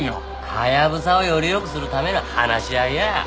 ハヤブサをより良くするための話し合いや！